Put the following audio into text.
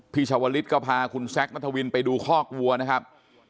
ชาวลิศก็พาคุณแซคนัทวินไปดูคอกวัวนะครับ